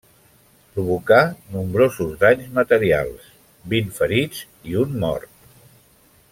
Provocà nombrosos danys materials, vint ferits i un mort.